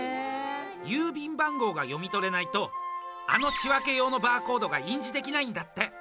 郵便番号が読み取れないとあの仕分け用のバーコードが印字できないんだって。